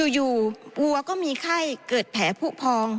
วัวก็มีไข้เกิดแผลผู้พอง